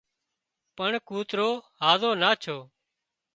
پڻ ڪوترو هازو نا ڇو